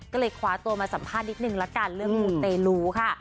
ก็เลยคว้าตัวมาสัมภาษณ์นิดนึงละกันเรื่องมูเตลูค่ะ